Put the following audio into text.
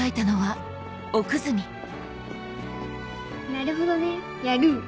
なるほどねやる。